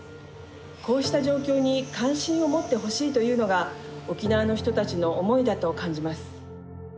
こうした状況に関心を持ってほしいというのが沖縄の人たちの思いだと感じます。